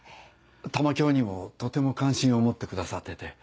玉響にもとても関心を持ってくださってて。